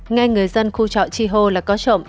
nghe người dân khu trọ chi hô là có trộm